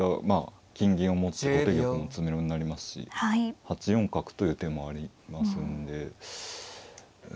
まあ金銀を持って後手玉も詰めろになりますし８四角という手もありますんで。